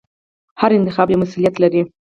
هر انتخاب یو مسوولیت لري.